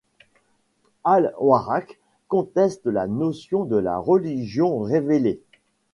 Al-Warraq conteste la notion de la religion révélée.